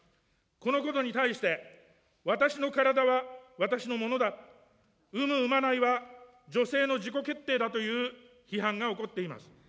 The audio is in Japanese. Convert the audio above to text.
このことに対して、私の体は私のものだ、産む・産まないは女性の自己決定だという批判が起こっています。